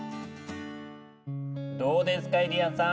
どうですかゆりやんさん？